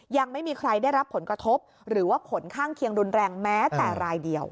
ยังไม่มีใครได้รับผลกระทบหรือว่าผลข้างเคียงรุนแรงแม้แต่รายเดียว